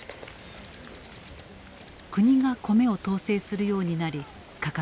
国が米を統制するようになり価格は下落。